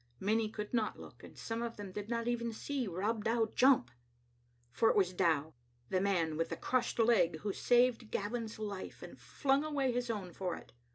Many could not look, and some of them did not even see Rob Dow jump. For it was Dow, the man with the crushed leg, who saved Gavin's life, and flung away his own for it.